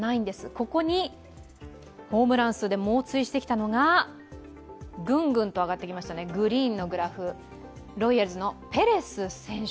ここにホームラン数で猛追してきたのがグングンと上がってきましたグリーンのグラフ、ロイヤルズのペレス選手。